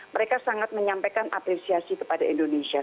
mereka sangat menyampaikan apresiasi kepada indonesia